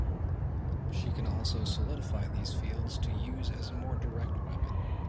She can also solidify these fields, to use as a more direct weapon.